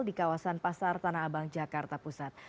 di kawasan pasar tanah abang jakarta pusat